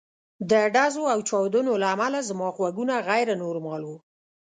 د ډزو او چاودنو له امله زما غوږونه غیر نورمال وو